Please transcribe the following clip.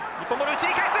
内に返す！